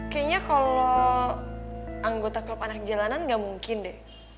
kayaknya kalau anggota klub anak jalanan gak mungkin deh